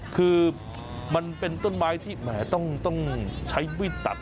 คือมันเป็นต้นไม้ที่แหมต้องใช้วิดตัด